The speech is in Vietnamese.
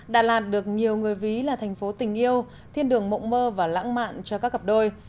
đà lạt được nhiều người ví là thành phố tình yêu thiên đường mộng mơ và lãng mạn cho các cặp đôi